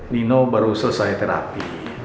nino baru selesai terapi